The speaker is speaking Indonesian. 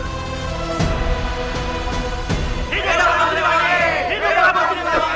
hidup rambut semangat